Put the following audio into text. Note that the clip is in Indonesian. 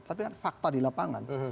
tapi kan fakta di lapangan